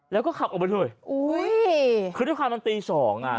แล้วก็ขับออกไปด้วยอุ้ยคือที่ความมันตีสองอ่ะอ่ะ